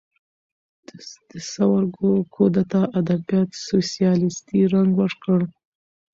د ثور کودتا ادبیات سوسیالیستي رنګ ورکړ.